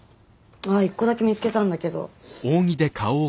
あぁ１個だけ見つけたんだけど。